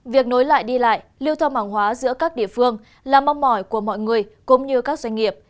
việc nối lại đi lại lưu thông hàng hóa giữa các địa phương là mong mỏi của mọi người cũng như các doanh nghiệp